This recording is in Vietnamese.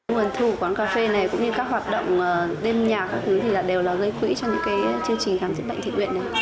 nguồn thủ quán cà phê này cũng như các hoạt động đêm nhà các thứ thì đều là gây quỹ cho những chương trình khám diễn bệnh thị nguyện này